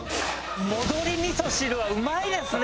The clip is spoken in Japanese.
戻りみそ汁はうまいですね。